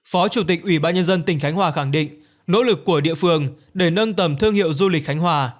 phó chủ tịch ủy ban nhân dân tỉnh khánh hòa khẳng định nỗ lực của địa phương để nâng tầm thương hiệu du lịch khánh hòa